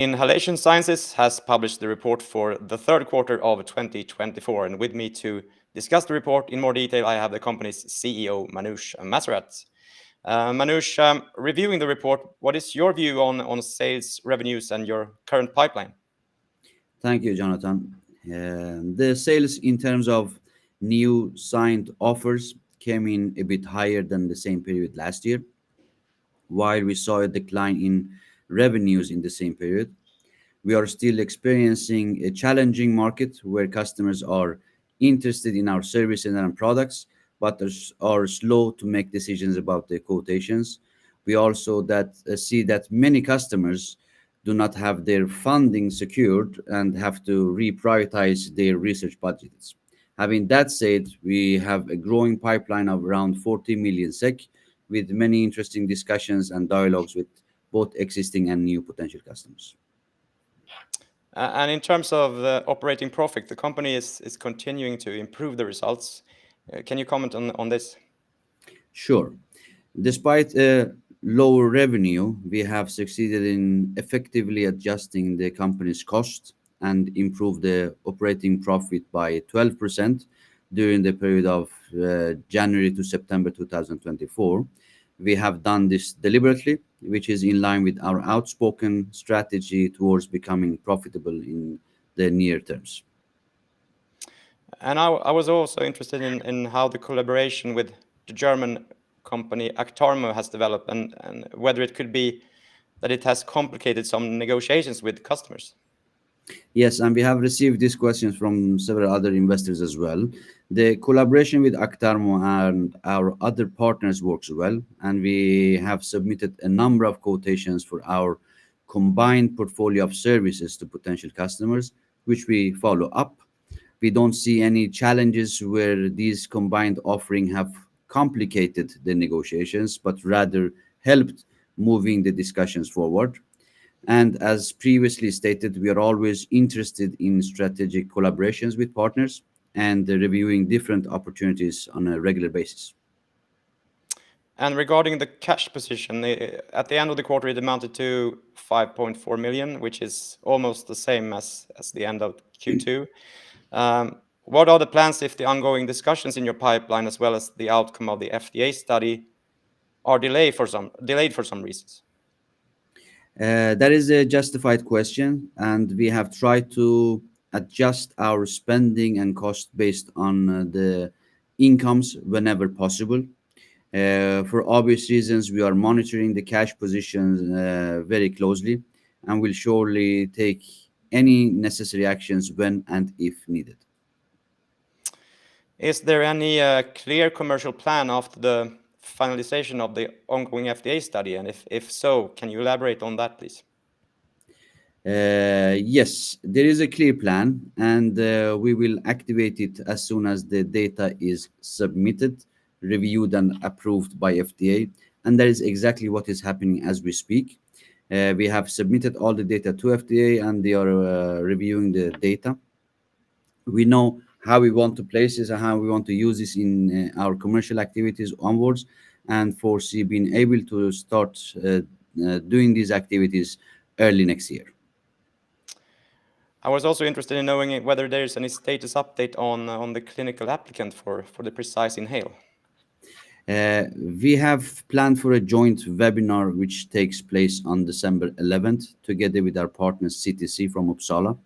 Inhalation Sciences has published the report for the Third Quarter of 2024, and with me to discuss the report in more detail, I have the company's CEO, Manoush Masarrat. Manoush, reviewing the report, what is your view on sales revenues and your current pipeline? Thank you, Jonathan. The sales, in terms of new signed offers came in a bit higher than the same period last year, while we saw a decline in revenues in the same period. We are still experiencing a challenging market where customers are interested in our services and products, but are slow to make decisions about the quotations. We also see that many customers do not have their funding secured and have to reprioritize their research budgets. Having that said, we have a growing pipeline of around 40 million SEK, with many interesting discussions and dialogues with both existing and new potential customers. In terms of the operating profit, the company is continuing to improve the results. Can you comment on this? Sure. Despite lower revenue, we have succeeded in effectively adjusting the company's cost and improved the operating profit by 12% during the period of January to September 2024. We have done this deliberately, which is in line with our outspoken strategy towards becoming profitable in the near terms. I was also interested in how the collaboration with the German company Actarmo has developed and whether it could be that it has complicated some negotiations with customers. Yes, and we have received these questions from several other investors as well. The collaboration with Actarmo and our other partners works well, and we have submitted a number of quotations for our combined portfolio of services to potential customers, which we follow up. We don't see any challenges where these combined offerings have complicated the negotiations but rather helped moving the discussions forward. And as previously stated, we are always interested in strategic collaborations with partners and reviewing different opportunities on a regular basis. Regarding the cash position, at the end of the quarter, it amounted to 5.4 million, which is almost the same as the end of Q2. What are the plans if the ongoing discussions in your pipeline, as well as the outcome of the FDA study are delayed for some reasons? That is a justified question, and we have tried to adjust our spending and cost based on the incomes whenever possible. For obvious reasons, we are monitoring the cash positions very closely and will surely take any necessary actions when and if needed. Is there any clear commercial plan after the finalization of the ongoing FDA study? And if so, can you elaborate on that, please? Yes, there is a clear plan, and we will activate it as soon as the data is submitted, reviewed, and approved by FDA and that is exactly what is happening as we speak. We have submitted all the data to FDA and they are reviewing the data. We know how we want to place this and how we want to use this in our commercial activities onwards and foresee being able to start doing these activities early next year. I was also interested in knowing whether there is any status update on the clinical application for the PreciseInhale? We have planned for a joint webinar, which takes place on December 11th, together with our partner CTC from Uppsala.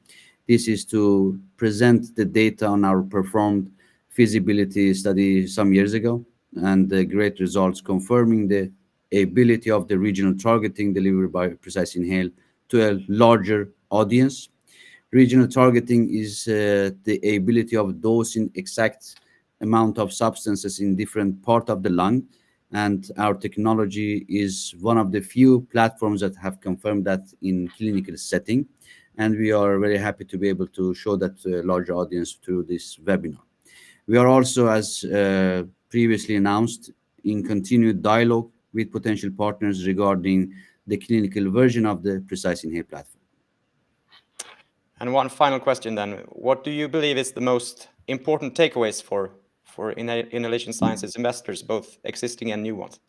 This is to present the data on our performed feasibility study some years ago and the great results confirming the ability of the regional targeting delivered by PreciseInhale to a larger audience. Regional targeting is the ability of dosing exact amount of substances in different parts of the lung. And our technology is one of the few platforms that have confirmed that in clinical setting and we are very happy to be able to show that to a larger audience through this webinar. We are also, as previously announced, in continued dialogue with potential partners regarding the clinical version of the PreciseInhale platform. And one final question then, what do you believe is the most important takeaways for Inhalation Sciences investors both existing and new ones?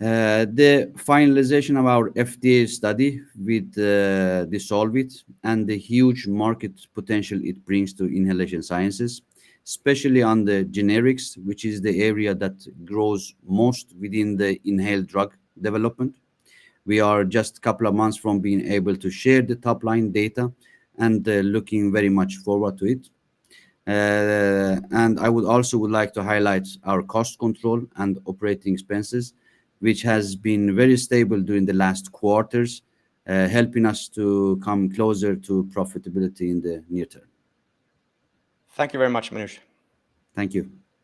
The finalization of our FDA study with the DissolvIt and the huge market potential it brings to Inhalation Sciences, especially on the generics, which is the area that grows most within the inhaled drug development. We are just a couple of months from being able to share the top-line data and looking very much forward to it. I would also like to highlight our cost control and operating expenses, which has been very stable during the last quarters helping us to come closer to profitability in the near term. Thank you very much, Manoush. Thank you.